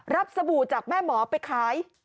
สบู่จากแม่หมอไปขาย